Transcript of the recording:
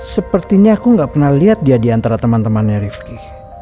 sepertinya aku gak pernah liat dia diantara temen temennya rifki